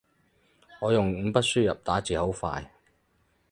我用五筆輸入打字好快